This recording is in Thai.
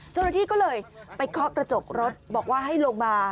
เจ้าหน้าที่ก็เลยไปเคาะกระจกรถบอกว่าให้ลงมา